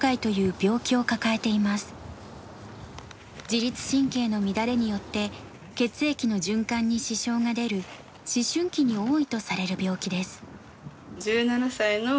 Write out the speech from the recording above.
自律神経の乱れによって血液の循環に支障が出る思春期に多いとされる病気です。